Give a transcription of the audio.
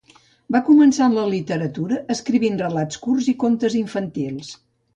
Va començar en la literatura escrivint relats curts i contes infantils.